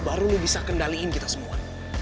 baru lo bisa kendaliin kita semua